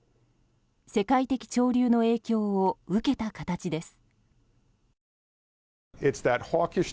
世界的潮流の影響を受けた形です。